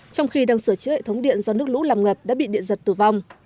trong khi đang sửa chữa hệ thống điện do nước lũ làm ngập đã bị điện giật tử vong